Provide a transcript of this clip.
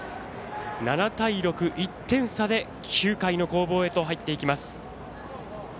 ７対６、１点差で９回の攻防へと入っていきます。